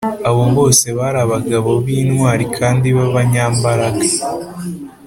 Abo bose bari abagabo b intwari kandi b abanyambaraga